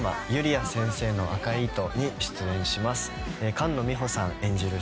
菅野美穂さん演じる